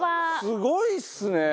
すごいっすね！